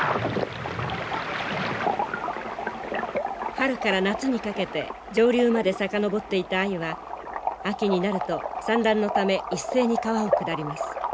春から夏にかけて上流まで遡っていたアユは秋になると産卵のため一斉に川を下ります。